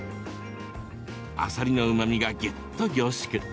あさりのうまみがぎゅっと凝縮。